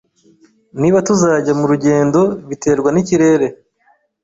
Niba tuzajya murugendo biterwa nikirere